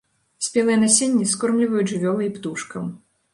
Спелае насенне скормліваюць жывёлы і птушкам.